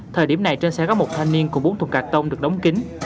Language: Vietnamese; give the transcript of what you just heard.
thời điểm này trên xe có một thanh niên cùng bốn thùng gạt tông được đóng kính